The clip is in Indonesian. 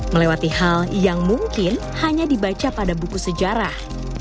melewati hal yang mungkin hanya dibaca pada buku sejarah